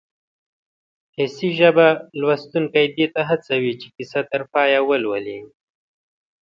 حسي ژبه لوستونکی دې ته هڅوي چې کیسه تر پایه ولولي